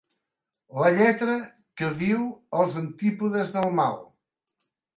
La lletra que viu als antípodes del mal.